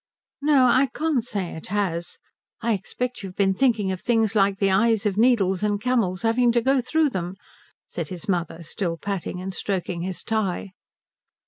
"No, I can't say it has. I expect you've been thinking of things like the eyes of needles and camels having to go through them," said his mother, still patting and stroking his tie.